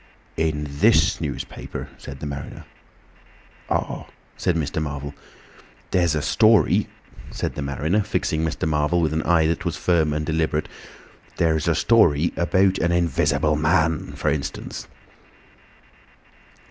"In this newspaper," said the mariner. "Ah!" said Mr. Marvel. "There's a story," said the mariner, fixing Mr. Marvel with an eye that was firm and deliberate; "there's a story about an Invisible Man, for instance."